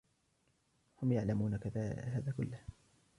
هم يعلمون هذا كله.